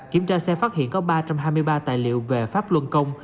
kiểm tra xe phát hiện có ba trăm hai mươi ba tài liệu về pháp luân công